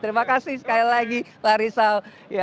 terima kasih sekali lagi pak rizal